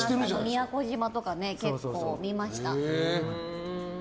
宮古島とかね、結構見ました。